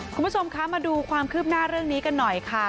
คุณผู้ชมคะมาดูความคืบหน้าเรื่องนี้กันหน่อยค่ะ